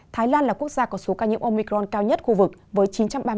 thái lan là quốc gia có số ca nhiễm omicron cao nhất khu vực với chín trăm ba mươi ba ca